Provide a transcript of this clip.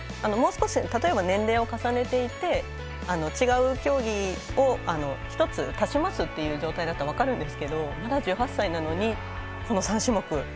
もう少し年齢を重ねていって違う競技を１つ、足しますという状態なら分かるんですがまだ１８歳なのに、この３種目。